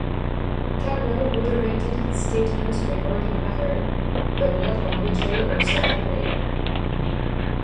Calwell moderated his statements regarding Maher, but not on Mitchell or Santamaria.